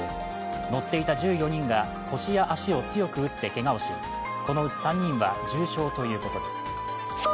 乗っていた１４人が腰や足を強く打ってけがをし、このうち３人は重傷ということです。